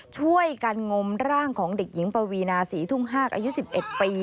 ช่วยกันงมร่างของเด็กหญิงปวีนาศรีทุ่งฮากอายุ๑๑ปี